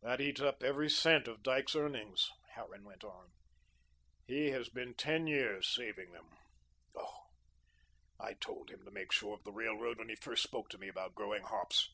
"That eats up every cent of Dyke's earnings," Harran went on. "He has been ten years saving them. Oh, I told him to make sure of the Railroad when he first spoke to me about growing hops."